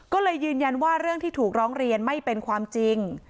ก็เลยยืนยันว่าเรื่องที่ถูกร้องเรียนไม่เป็นความจริง